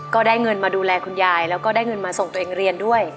ก็ได้เงินมาดูแลคุณยายแล้วก็ได้เงินมาส่งตัวเองเรียนด้วย